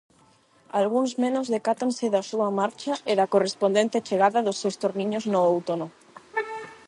Algúns menos decátanse da súa marcha e da correspondente chegada dos estorniños no outono.